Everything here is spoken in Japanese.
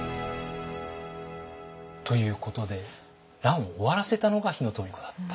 ということで乱を終わらせたのが日野富子だった。